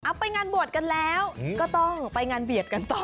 ไปงานบวชกันแล้วก็ต้องไปงานเบียดกันต่อ